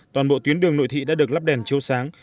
toàn bộ tuyến đường nội thị đã được lắp đèn chiếu sáng